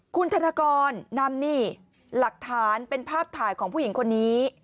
คุณธนกรนำนี่หลักฐานเป็นภาพถ่ายของผู้หญิงคนนี้